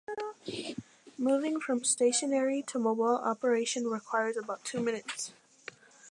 Moving from stationary to mobile operation requires about two minutes.